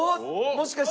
もしかして？